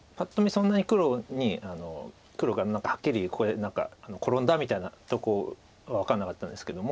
そんなに黒に黒がはっきりここで転んだみたいなとこは分かんなかったんですけども。